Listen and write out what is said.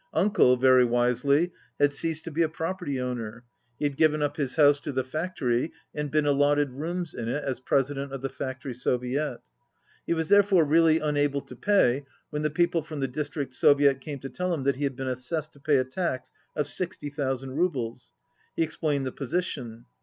"Uncle," very wisely, had ceased to be a property owner. He had given up his house to the factory, and been allotted rooms in it, as president of the factory Soviet. He was therefore really unable to pay when the people from the District Soviet came to tell him that he had been assessed to pay a tax of sixty thousand roubles. He explained the position.